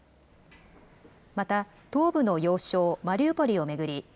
また東部の要衝マリウポリを巡り